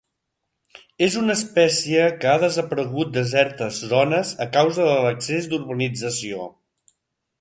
És una espècie que ha desaparegut a certes zones a causa de l'excés d'urbanització.